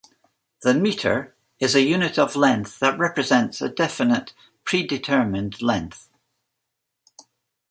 The metre is a unit of length that represents a definite predetermined length.